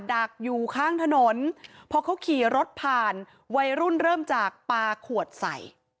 ดักอยู่ข้างถนนพอเขาขี่รถผ่านวัยรุ่นเริ่มจากปลาขวดใส่